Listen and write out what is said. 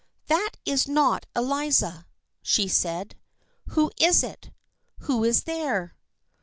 "That is not Eliza," she said. "Who is it? Who is there?"